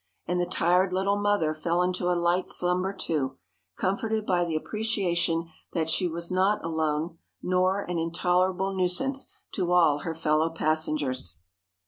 And the tired little mother fell into a light slumber, too, comforted by the appreciation that she was not alone, nor an intolerable nuisance to all her fellow passengers.